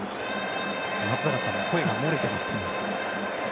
松坂さんも声が漏れていましたね。